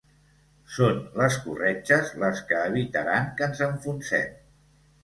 Són les corretges les que evitaran que ens enfonsem.